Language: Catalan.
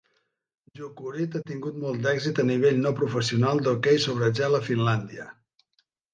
Jukurit ha tingut molt d'èxit a nivell no professional d'hoquei sobre gel de Finlàndia.